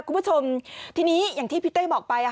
คุณผู้ชมทีนี้อย่างที่พี่เต้บอกไป